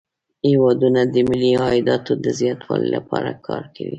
هیوادونه د ملي عایداتو د زیاتوالي لپاره کار کوي